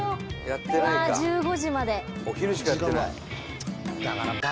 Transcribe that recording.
うわ１５時まで。